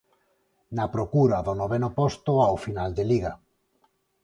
Na procura do noveno posto ao final de Liga.